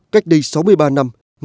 cách đi sáu mươi ba năm